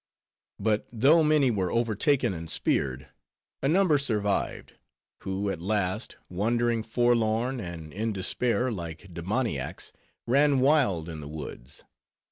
But though many were overtaken and speared, a number survived; who, at last, wandering forlorn and in despair, like demoniacs, ran wild in the woods.